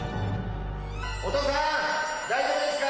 お父さん大丈夫ですか？